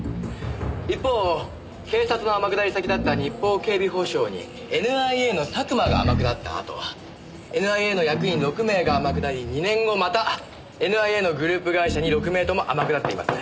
一方警察の天下り先だった日邦警備保障にＮＩＡの佐久間が天下ったあとＮＩＡの役員６名が天下り２年後またＮＩＡのグループ会社に６名とも天下っています。